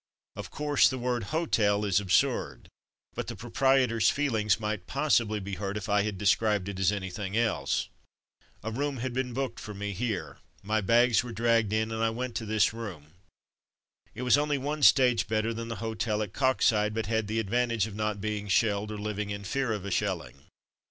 Of course, the word '' hotel'' is absurd; but the proprietor's feelings might 26o From Mud to Mufti possibly be hurt if I described it as anything else. A room had been booked for me here. My bags were dragged in, and I went to this Ihe OAaid Orleans room. It was only one stage better than the hotel at Coxyde, but had the advantage of not being shelled, or living in fear of a shelling.